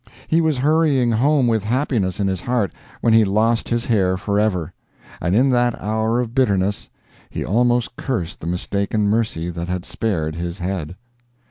He was hurrying home with happiness in his heart, when he lost his hair forever, and in that hour of bitterness he almost cursed the mistaken mercy that had spared his head.